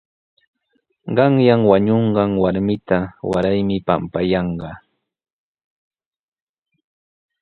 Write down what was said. Qanyan wañunqan warmita waraymi pampayanqa.